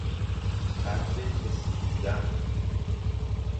قد کسی بودن